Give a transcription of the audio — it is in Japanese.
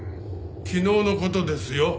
昨日の事ですよ？